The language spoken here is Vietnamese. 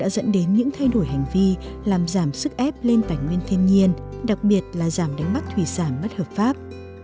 các dự án cũng đã dẫn đến những thay đổi hành vi làm giảm sức ép lên tảnh nguyên thiên nhiên đặc biệt là giảm đánh bắt thủy giảm bất hợp pháp